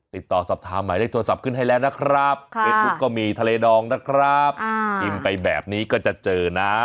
ติดต่อสอบถามหมายเลขโทรศัพท์ขึ้นให้แล้วนะครับเฟซบุ๊กก็มีทะเลดองนะครับพิมพ์ไปแบบนี้ก็จะเจอนะ